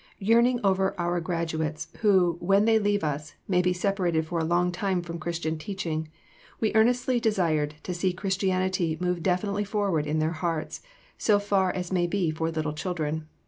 Yearning over our graduates, who, when they leave us, may be separated for a long time from Christian teaching, we earnestly desired to see Christianity move definitely forward in their hearts, so far as may be for little children.